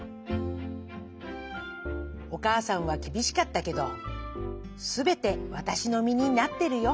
『おかあさんはきびしかったけどすべてわたしの身になっているよ。